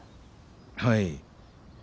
はい。